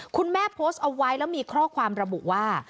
โพสต์เอาไว้แล้วมีข้อความระบุว่า